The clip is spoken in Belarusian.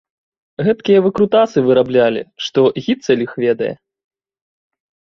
Гэткія выкрутасы выраблялі, што гіцаль іх ведае!